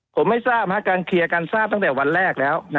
ผมไม่ทราบการเคลียร์การทราบตั้งแต่วันแรกแล้ว